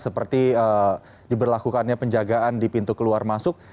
seperti diberlakukannya penjagaan di pintu keluar masuk